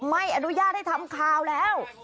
ไม่อนุญาตให้ทำข่าวแล้ว